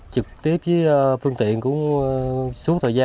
trực tiếp với phương tiện bé xuyên từ ngày có dịch tới giờ